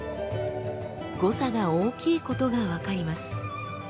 誤差が大きいことが分かります。